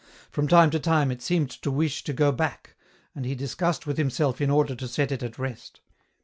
From time to time it seemed to wish to go back, and he discussed with himself in order to set it at rest.